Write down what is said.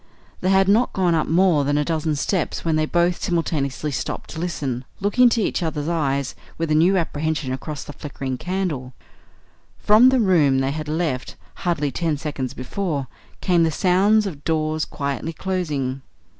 They had not gone up more than a dozen steps when they both simultaneously stopped to listen, looking into each other's eyes with a new apprehension across the flickering candle flame. From the room they had left hardly ten seconds before came the sound of doors quietly closing.